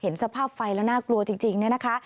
เห็นสภาพไฟแล้วน่ากลัวจริงเนี่ยนะคะ